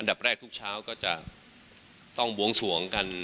ดับแรกทุกเช้าก็จะต้องบวงสวงกัน